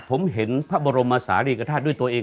ผมเห็นพระบรมศาลีกฐาตุด้วยตัวเอง